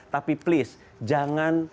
tapi please jangan